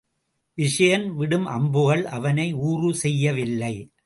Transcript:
விசயன் விடும் அம்புகள் அவனை ஊறு செய்யவில்லை.